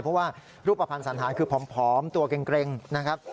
เพราะว่ารูปภัณฑ์สันธารคือผอมตัวเกร็งนะครับ